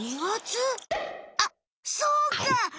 あっそうか！